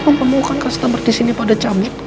emang pemukaan customer disini pada cabut